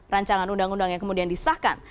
rancangan undang undang yang kemudian disahkan